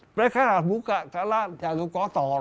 mereka buka kalah jatuh kotor